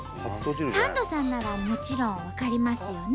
サンドさんならもちろん分かりますよね？